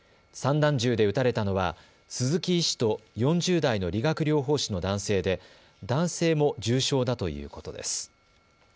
散弾銃で撃たれたのは鈴木医師と４０代の理学療法士の男性で男性も重傷だということです。